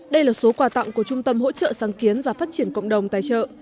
đây là số quà tặng của trung tâm hỗ trợ sáng kiến và phát triển cộng đồng tài trợ